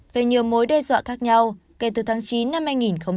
về nhiều mối đe dọa khác nhau kể từ tháng chín năm hai nghìn hai mươi ba